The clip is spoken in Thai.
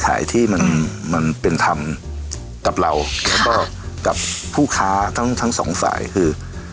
ขายที่มันมันเป็นทำกับเรากับผู้ค้าต้องทั้งสองฝ่ายคือ